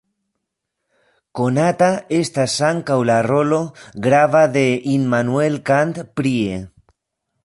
Konata estas ankaŭ la rolo grava de Immanuel Kant prie.